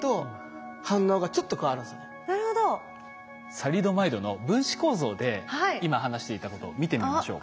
サリドマイドの分子構造で今話していたことを見てみましょう。